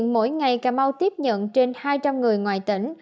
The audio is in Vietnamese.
mỗi ngày cà mau tiếp nhận trên hai trăm linh người ngoài tỉnh